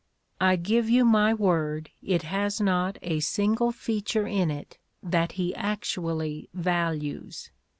"I give you my word it has not a single feature in it that he actually values.